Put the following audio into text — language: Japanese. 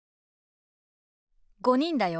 ５人だよ。